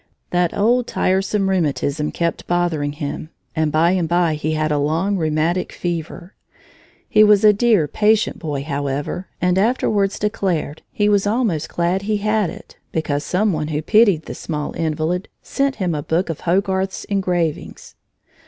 That old, tiresome rheumatism kept bothering him, and by and by he had a long rheumatic fever. He was a dear, patient boy, however, and afterwards declared he was almost glad he had it because some one who pitied the small invalid sent him a book of Hogarth's engravings.